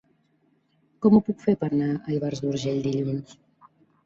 Com ho puc fer per anar a Ivars d'Urgell dilluns?